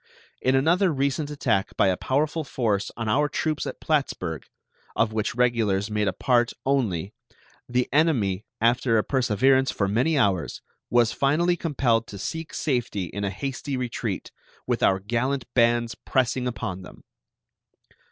In another recent attack by a powerful force on our troops at Plattsburg, of which regulars made a part only, the enemy, after a perseverance for many hours, was finally compelled to seek safety in a hasty retreat, with our gallant bands pressing upon them.